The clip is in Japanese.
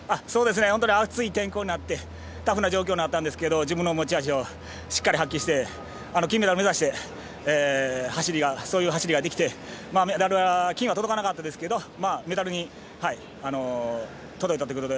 本当に暑い天候になってタフな状況になったんですけど自分の持ち味をしっかり発揮して金メダルを目指したそういう走りができてメダルは金は届かなかったですけどメダルに届いたということで